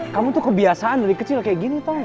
kamu tuh kebiasaan dari kecil kayak gini tau gak